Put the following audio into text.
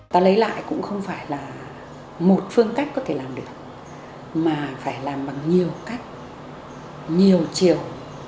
ta lấy lại cũng không phải là một phương cách có thể làm được mà phải làm bằng nhiều cách nhiều chiều